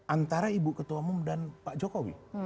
antara ibu ketua umum dan pak jokowi